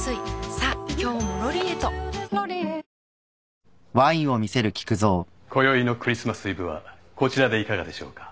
はいこよいのクリスマスイブはこちらでいかがでしょうか？